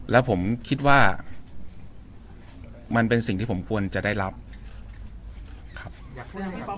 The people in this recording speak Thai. แล้วผมคิดว่ามันเป็นสิ่งที่ผมควรจะได้รับครับอยากพูดกับพี่ป๊อบ